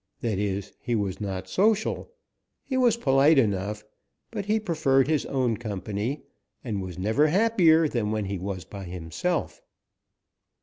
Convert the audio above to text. That is, he was not social. He was polite enough, but he preferred his own company and was never happier than when he was by himself.